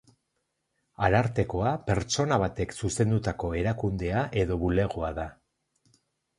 Arartekoa pertsona batek zuzendutako erakundea edo bulegoa da.